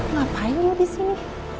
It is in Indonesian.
ngapain dia disini